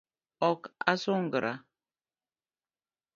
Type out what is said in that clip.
Ok asungra